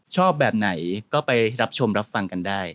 ชอบแบบไหนก็ไปรับชมรับฟังกันได้